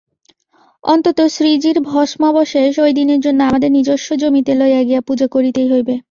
অন্তত শ্রীজীর ভস্মাবশেষ ঐ দিনের জন্য আমাদের নিজস্ব জমিতে লইয়া গিয়া পূজা করিতেই হইবে।